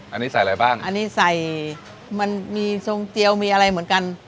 อันนี้ใส่อะไรบ้างอันนี้ใส่มันมีทรงเจียวมีอะไรเหมือนกัน